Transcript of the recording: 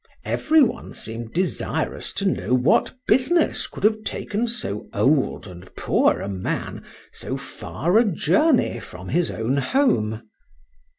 Every one seemed desirous to know what business could have taken so old and poor a man so far a journey from his own home.